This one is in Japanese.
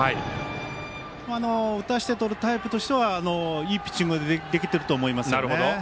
打たせてとるタイプとしてはいいピッチングできてると思います。